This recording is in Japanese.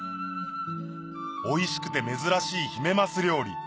おいしくて珍しいヒメマス料理